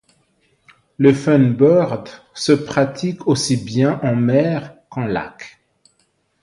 Le funboard se pratique aussi bien en mer qu'en lac.